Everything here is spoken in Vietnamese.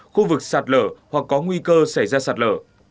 khu vực sạt lở hoặc có nguy cơ xảy ra sạt lở